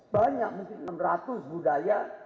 banyak mungkin enam ratus budaya